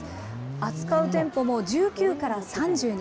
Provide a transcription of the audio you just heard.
扱う店舗も１９から３０に。